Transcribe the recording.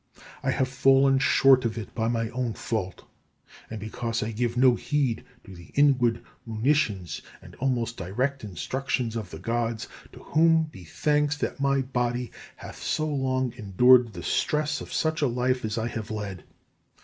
I have fallen short of it by my own fault, and because I gave no heed to the inward monitions and almost direct instructions of the Gods, to whom be thanks that my body hath so long endured the stress of such a life as I have led.